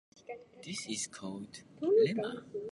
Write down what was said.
This is called Euclid's lemma.